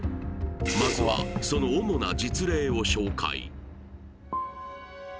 まずはその主な実例を紹介